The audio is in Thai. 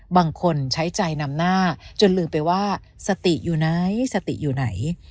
บางคนใช้ใจนำหน้าจนลืมไปว่าสติอยู่ไหนสติอยู่ไหน